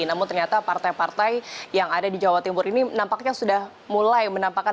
namun ternyata partai partai yang ada di jawa timur ini nampaknya sudah mulai menampakkan